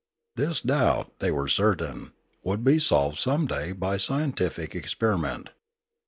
This doubt, they were certain, would be solved some day by scientific experiment.